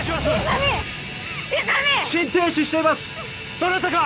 どなたか！